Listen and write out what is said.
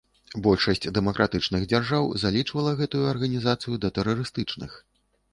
Большасць дэмакратычных дзяржаў залічвала гэтую арганізацыю да тэрарыстычных.